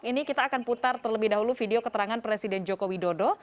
ini kita akan putar terlebih dahulu video keterangan presiden joko widodo